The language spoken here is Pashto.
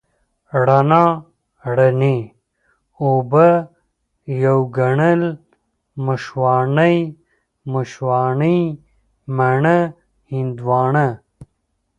رڼا، رڼې اوبه، يو ګڼل، مشواڼۍ، مشواڼې، مڼه، هندواڼه،